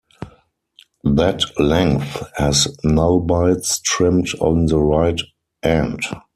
That length has null bytes trimmed on the right end.